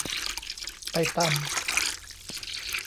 ไปตำ